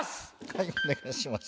はいお願いします。